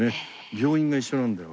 病院が一緒なんだよ俺。